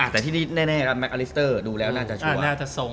แต่ที่นี่แน่แมคอลิสเตอร์ดูแล้วน่าจะช่วง